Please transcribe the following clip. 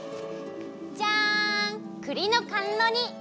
じゃんくりのかんろ煮！